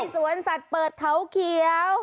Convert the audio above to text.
ไปสวนสัตว์เปิดเค้าเกียว